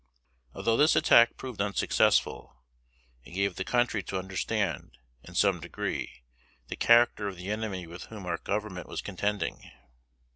Although this attack proved unsuccessful, it gave the country to understand, in some degree, the character of the enemy with whom our Government was contending.